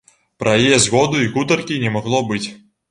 Пра яе згоду і гутаркі не магло быць.